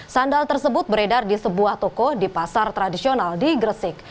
sandal tersebut beredar di sebuah toko di pasar tradisional di gresik